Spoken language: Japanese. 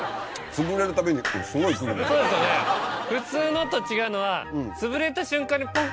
そうですよね普通のと違うのは。